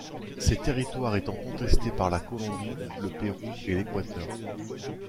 Ces territoires étant contestés par la Colombie, le Pérou et l'Équateur.